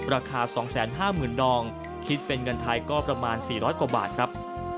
ราคา๒๕๐๐๐ดองคิดเป็นเงินไทยก็ประมาณ๔๐๐กว่าบาทครับ